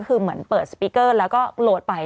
คือเหมือนเปิดสปีกเกอร์แล้วก็โหลดไป